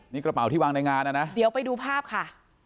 นี่กระเป๋าที่วางในงานนะนะเดี๋ยวไปดูภาพค่ะ